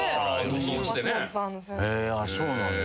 そうなんだ。